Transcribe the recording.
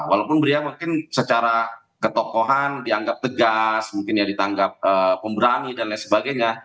walaupun beliau mungkin secara ketokohan dianggap tegas mungkin ya ditangkap pemberani dan lain sebagainya